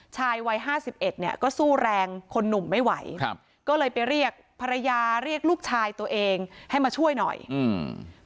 ชายวัยห้าสิบเอ็ดเนี้ยก็สู้แรงคนหนุ่มไม่ไหวครับก็เลยไปเรียกภรรยาเรียกลูกชายตัวเองให้มาช่วยหน่อยอืม